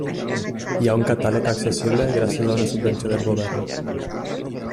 Hi ha un catàleg accessible gràcies a una subvenció del govern.